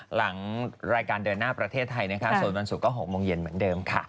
หลังรายการเดินหน้าประเทศไทยนะคะส่วนวันศุกร์ก็๖โมงเย็นเหมือนเดิมค่ะ